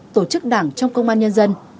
tổ chức đảng trong công an nhân dân